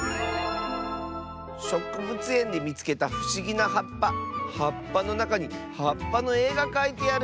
「しょくぶつえんでみつけたふしぎなはっぱはっぱのなかにはっぱのえがかいてある！」。